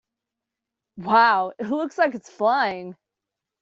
Wow! It looks like it is flying!